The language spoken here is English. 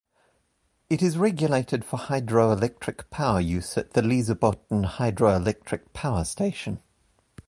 It is regulated for hydroelectric power use at the Lysebotn Hydroelectric Power Station.